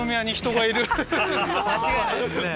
間違いないですね。